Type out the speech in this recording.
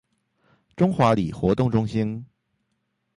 中華里活動中心